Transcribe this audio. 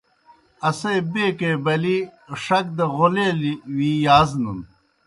اسے بیکے بلِی ݜک دہ غولیلیْ وی یازنَن۔